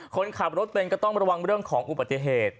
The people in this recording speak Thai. คนขับรถเป็นก็ต้องระวังเรื่องของอุบัติเหตุ